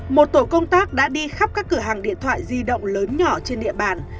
một tổ công tác đã đi khắp các cửa hàng điện thoại di động lớn nhỏ trên địa bàn